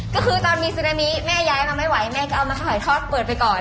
ก็คือตอนมีซึนามิแม่ย้ายมาไม่ไหวแม่ก็เอามาถ่ายทอดเปิดไปก่อน